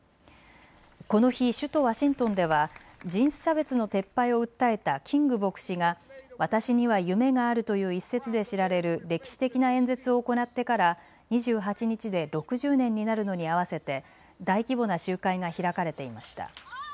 この日、首都ワシントンでは人種差別の撤廃を訴えたキング牧師が私には夢があるという一説で知られる歴史的な演説を行ってから２８日で６０年になるのに合わせて大規模な集会が開かれていました。